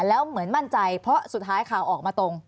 แล้วเหมือนมั่นใจเพราะสุดท้ายข่าวออกมาตรง